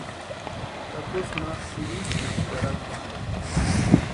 Takusï ma irhitsʼïku charhakuni.